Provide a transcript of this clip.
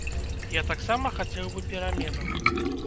Я таксама хацеў бы пераменаў.